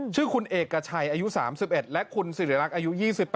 ชื่อคุณเอกชัยอายุ๓๑และคุณสิริรักษ์อายุ๒๘